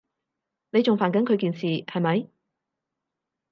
你仲煩緊佢件事，係咪？